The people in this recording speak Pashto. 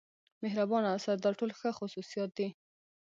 مهربان اوسه دا ټول ښه خصوصیات دي.